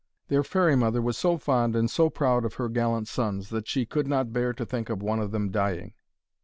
Their fairy mother was so fond and so proud of her gallant sons, that she could not bear to think of one of them dying.